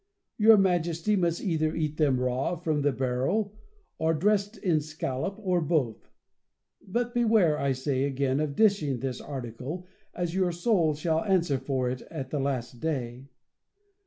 Your Majesty must either eat them raw from the barrel, or dressed in scallop, or both ; but beware, I say again, of dishing this article, as your soul shall answer for it at the last day.